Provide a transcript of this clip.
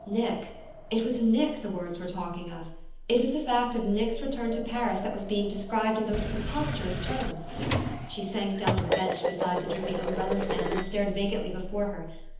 Nick it was Nick the words were talking of! It was the fact of Nick's return to Paris that was being described in those preposterous terms! She sank down on the bench beside the dripping umbrella stand and stared vacantly before her.